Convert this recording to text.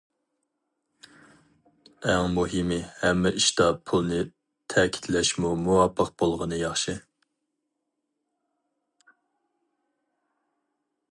ئەڭ مۇھىمى ھەممە ئىشتا پۇلنى تەكىتلەشمۇ مۇۋاپىق بولغىنى ياخشى.